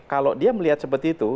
kalau dia melihat seperti itu